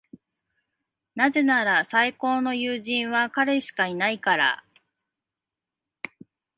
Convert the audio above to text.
なぜなら、最高の友人は彼しかいないから。